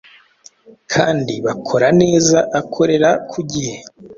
kandi bakora neza akorera kugihe .